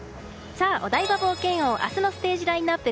お台場冒険王、明日のステージラインアップ